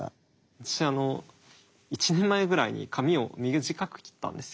私１年前ぐらいに髪を短く切ったんですよ。